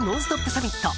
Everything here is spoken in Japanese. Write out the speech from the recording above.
サミット。